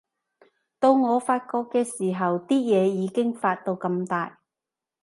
到我發覺嘅時候，啲嘢已經發到咁大